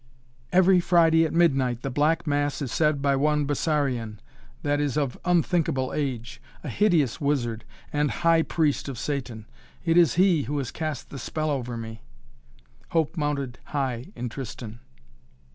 "Every Friday at midnight the Black Mass is said by one Bessarion, that is of unthinkable age a hideous wizard and High Priest of Satan. It is he who has cast the spell over me." Hope mounted high in Tristan.